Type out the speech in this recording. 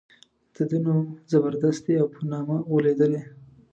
د ده نوم زبردست دی او په نامه غولېدلی.